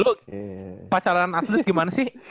lu pacaran atlet gimana sih